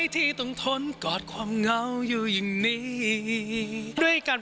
ที่ผมสนใจมากคิดทำบุญด้วยอะไร